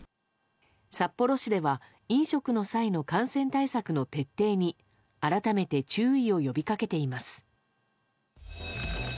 札幌市では飲食の際の感染対策の徹底に改めて注意を呼びかけています。